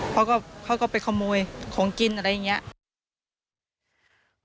เขาก็ของเร็วเข้าไปขโมยของกินอะไรอย่างเงี้ย